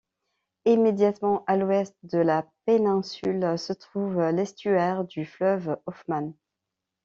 Immédiatement à l'ouest de la péninsule, se trouve l'estuaire du fleuve Hoffman.